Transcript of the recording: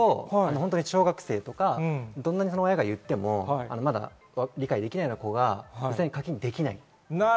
小学生とか、どんなに親が言ってもまだ理解できない子が実際課金できない。